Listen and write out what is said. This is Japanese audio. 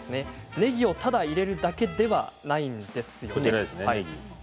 ねぎをただ入れるだけではないんです。